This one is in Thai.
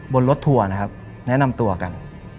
บนรถทัวร์นะครับแนะนำตัวกัน